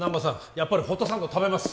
やっぱりホットサンド食べます